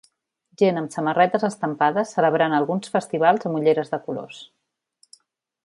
Gent amb samarretes estampades celebrant alguns festivals amb ulleres de colors